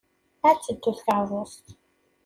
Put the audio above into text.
Ad teddu tkeṛṛust.